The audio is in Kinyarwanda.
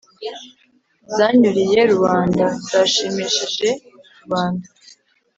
Zanyuriye Rubanda: Zashimishije Rubanda.